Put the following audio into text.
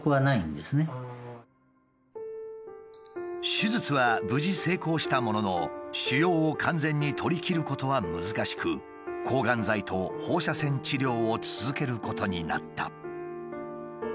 手術は無事成功したものの腫瘍を完全に取りきることは難しく抗がん剤と放射線治療を続けることになった。